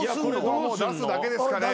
出すだけですかねぇ。